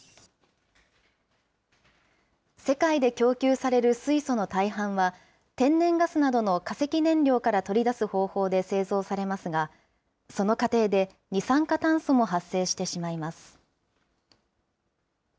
世界で供給される水素の大半は、天然ガスなどの化石燃料から取り出す方法で製造されますが、その過程で、二酸化炭素も発生してしまいます。